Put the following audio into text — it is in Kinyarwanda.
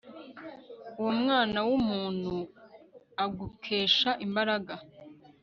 uwo mwana w'umuntu ugukesha imbaraga